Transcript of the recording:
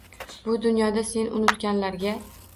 Bu dunyoda Seni unutganlarga…